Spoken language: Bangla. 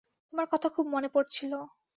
তোমার কথা খুব মনে পড়ছিল।